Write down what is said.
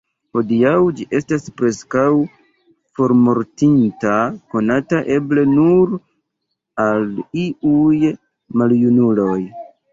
Hodiaŭ ĝi estas preskaŭ formortinta, konata eble nur al iuj maljunuloj.